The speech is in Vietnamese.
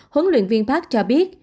huấn luyện viên park cho biết